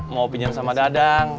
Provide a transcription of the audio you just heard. mau pinjem sama dadang